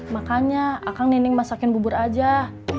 makanya akang nilai nilai yang paling baik adalah roti yang paling baik